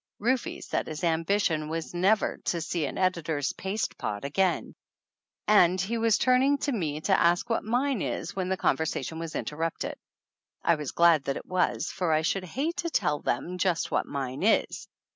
Rufe said his ambition was never to see an editor's paste pot again, and he was turning to me to ask what mine is when the conversation was interrupted. I was glad that it was, for I should hate to tell them just what mine is.